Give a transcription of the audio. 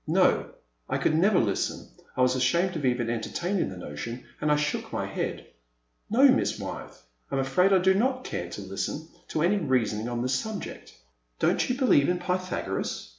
No, I could never listen — I was ashamed of even entertaining the notion, and I shook my head. '' No, Miss Wyeth, I am afraid I do not care to listen to any reasoning on this subject." Don't you believe in Pythagoras